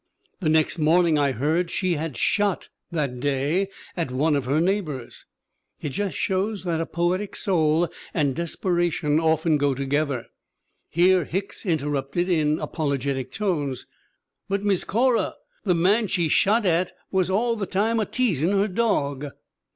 " 'The next morning I heard she had shot that day at one of her neighbors ! It shows that a poetic soul and desperation often go together/ "Here Hicks interrupted in apologetic tones : 'But, Miss Corra, the man she shot at was all the time a teas in' her dog.'